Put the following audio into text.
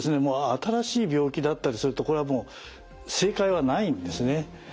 新しい病気だったりするとこれはもう正解はないんですね。